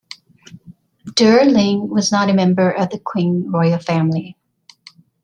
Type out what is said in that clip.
Der Ling was not a member of the Qing royal family.